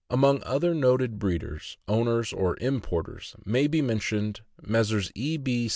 Among other noted breeders, owners, or importers, may be mentioned Messrs. E. B.